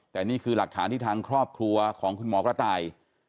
แต่นี่คือหลักฐานที่ทางครอบครัวของคุณหมอกระต่าย